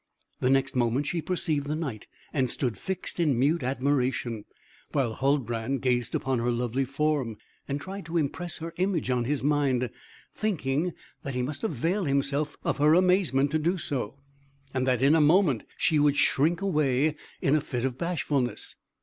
The next moment she perceived the Knight, and stood fixed in mute admiration; while Huldbrand gazed upon her lovely form, and tried to impress her image on his mind, thinking that he must avail himself of her amazement to do so, and that in a moment she would shrink away in a fit of bashfulness.